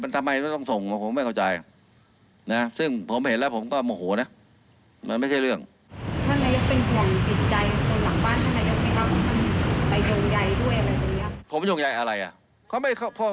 ท่านอาจจะใช้วิธีการแก้ปัญหาลักษัตริย์โดยการปรับคนละออก